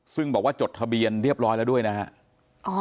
ซึ่งบอกว่าจดทะเบียนเรียบร้อยแล้วด้วยนะครับ